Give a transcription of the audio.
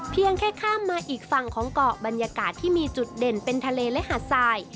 เพียงแค่ข้ามมาอีกฝั่งของเกาะบรรยากาศที่มีจุดเด่นเป็นทะเลและหาดทราย